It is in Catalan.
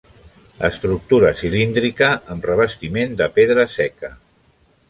Estructura cilíndrica, amb revestiment de pedra seca.